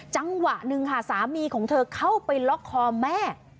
จังหวะหนึ่งค่ะสามีของเธอเข้าไปล็อกคอแม่